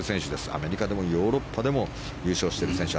アメリカでもヨーロッパでも優勝している選手。